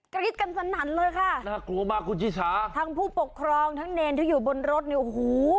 รีดกันสนั่นเลยค่ะน่ากลัวมากคุณชิชาทั้งผู้ปกครองทั้งเนรที่อยู่บนรถเนี่ยโอ้โห